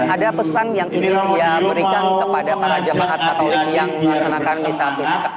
ada pesan yang ingin dia berikan kepada para jemaat patologi yang melaksanakan nisa pascah